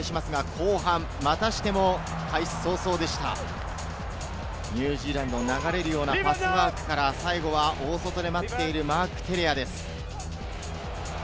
後半またしても開始早々、ニュージーランド、流れるようなパスワークから、最後は大外で待っているマーク・テレアです。